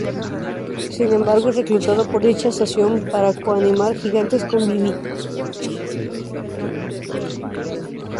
Sin embargo, es reclutado por dicha estación para co-animar "Gigantes con Vivi".